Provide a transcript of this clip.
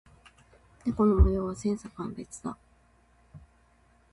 猫の模様は千差万別だ。